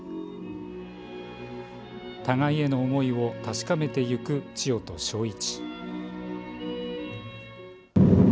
互いへの思いを確かめていく千代と正一。